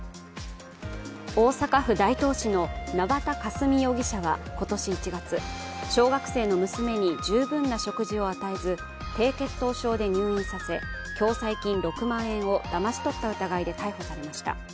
大阪府大東市の縄田佳純容疑者は今年１月小学生の娘に十分な食事を与えず低血糖症で入院させ共済金６万円をだまし取った疑いで逮捕されました。